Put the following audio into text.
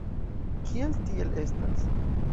Kial, tiel estas?